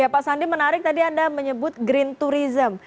pak sandi menarik tadi anda menyebut green tourism